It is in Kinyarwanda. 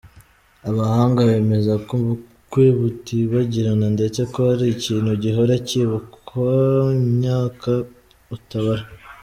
Abahanga bemeza ko ubukwe butibagirana ndetse ko ari ikintu gihora kibukwa imyaka utabara.